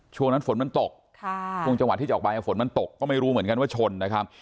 ช่วงนั้นฝนมันตกช่วงจังหวัดที่จะออกไปฝนมันตกก็ไม่รู้เหมือนกันว่าชนนะครับ